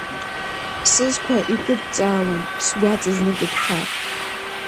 Сызқәа икыдҵаалом сгәаҵа знык иԥхар!